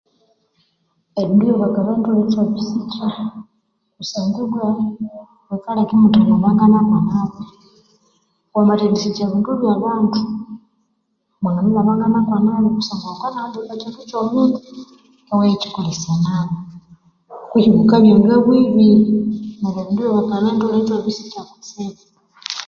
Ebindu byabikalhani thutholere ithwabisikya kusanga ibwa bikaleka emuthalhabanganako nabi wamathendisikya ebindu byabandu mwanganalhabangana kwa nabi kusangwa ghukana yibweka ekindu kyomundu iwaya kyikolesya nabi neryo bukabya ngabwibi